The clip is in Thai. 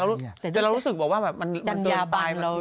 เรารู้สึกว่ามันจะหยุดไป